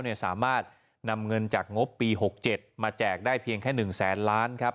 สามารถนำเงินจากงบปี๖๗มาแจกได้เพียงแค่๑แสนล้านครับ